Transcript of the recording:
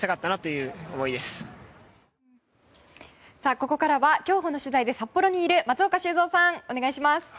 ここからは競歩の取材で札幌にいる松岡修造さん、お願いします。